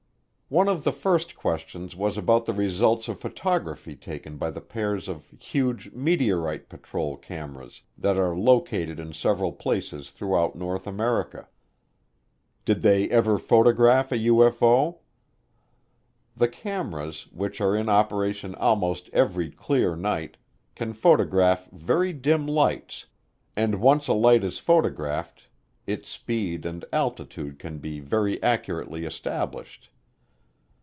One of the first questions was about the results of photography taken by the pairs of huge "meteorite patrol" cameras that are located in several places throughout North America. Did they ever photograph a UFO? The cameras, which are in operation almost every clear night, can photograph very dim lights, and once a light is photographed its speed and altitude can be very accurately established.